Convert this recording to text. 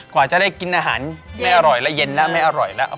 กว่าจะได้กินอาหารไม่อร่อยและเย็นแล้วไม่อร่อยแล้ว